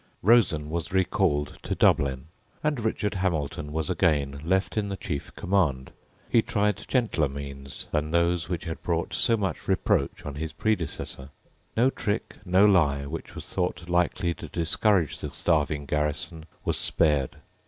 Rosen was recalled to Dublin; and Richard Hamilton was again left in the chief command. He tried gentler means than those which had brought so much reproach on his predecessor. No trick, no lie, which was thought likely to discourage the starving garrison was spared.